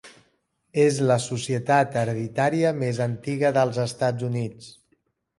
És la societat hereditària més antiga dels Estats Units.